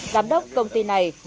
giám đốc công ty này